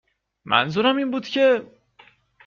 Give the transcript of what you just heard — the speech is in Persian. .. منظورم این بود که